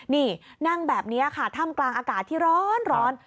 นี่นั่งแบบนี้ค่ะถ้ำกลางอากาศที่ร้อน